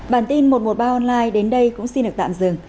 bản tin một trăm một mươi ba online đến đây cũng xin được tạm dừng